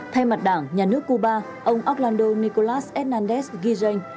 thay mặt đảng nhà nước cuba ông orlando nicolás hernández ghi danh